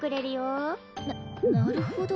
ななるほど。